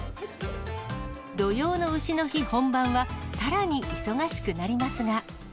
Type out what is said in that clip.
土用のうしの日本番はさらに忙しくなりますが。